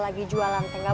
bu guru yola pun paham